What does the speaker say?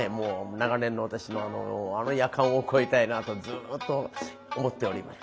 長年の私のあの「やかん」を超えたいなとずっと思っております。